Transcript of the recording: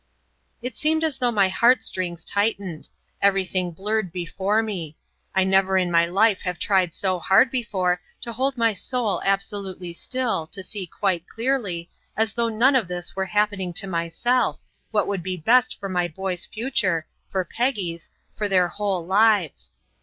It seemed as though my heartstrings tightened. Everything blurred before me. I never in my life have tried so hard before to hold my soul absolutely still to see quite clearly, as though none of this were happening to myself, what would be best for my boy's future, for Peggy's, for their whole lives.